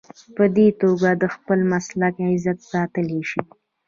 په دې توګه د خپل مسلک عزت ساتلی شي.